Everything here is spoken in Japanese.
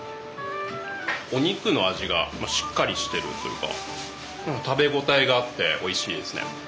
お肉の味がしっかりしてるというか食べ応えがあっておいしいですね。